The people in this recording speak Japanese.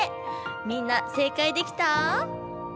みんな正解できた？